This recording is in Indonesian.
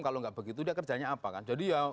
kalau nggak begitu dia kerjanya apa kan jadi ya